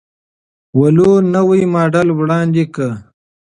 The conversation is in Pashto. ولوو نوی ماډل وړاندې کړ.